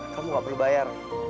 kamu gak perlu bayar